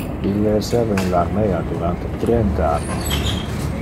Ille esseva in le armea durante trenta annos.